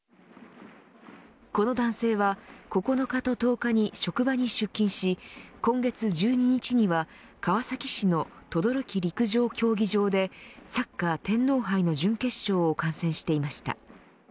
この男性は９日と１０日に職場に出勤し今月１２日には川崎市の等々力陸上競技場でサッカー天皇杯の準決勝を観戦していました。